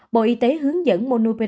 bộ y tế hướng dẫn monopiravir